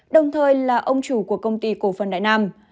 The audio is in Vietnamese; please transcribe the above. đồng thời là ông chủ của công ty cổ phần đại nam